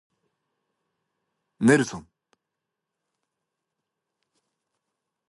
Nelson and his wife Angela reside in Massachusetts with their daughter, Grace.